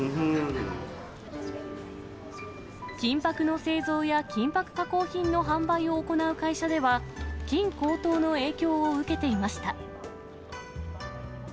金ぱくの製造や、金ぱく加工品の販売を行う会社では、金高騰の影響を受けていました。